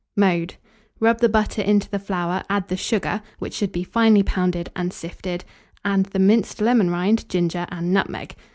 Mode. Rub the butter into the flour; add the sugar, which should be finely pounded and sifted, and the minced lemon rind, ginger, and nutmeg.